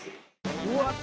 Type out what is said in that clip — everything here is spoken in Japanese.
うわっ！